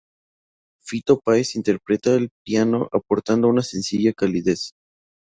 Fito Páez interpreta el piano aportando una sencilla calidez.